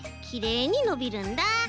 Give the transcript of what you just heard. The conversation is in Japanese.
きれいにのびるんだ！